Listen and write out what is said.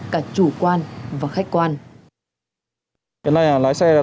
cả chủ quan và khách quan